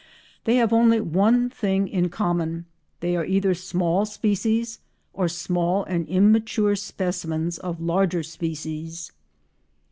They have only one thing in common—they are either small species or small and immature specimens of larger species.